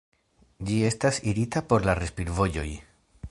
Ĝi estas irita por la respir-vojoj.